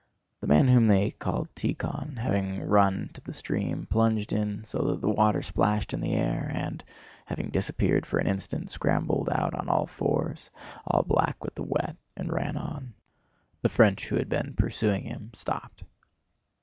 The man whom they called Tíkhon, having run to the stream, plunged in so that the water splashed in the air, and, having disappeared for an instant, scrambled out on all fours, all black with the wet, and ran on. The French who had been pursuing him stopped.